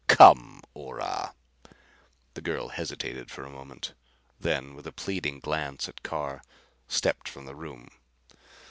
Come, Ora." The girl hesitated a moment, then with a pleading glance at Carr stepped from the room.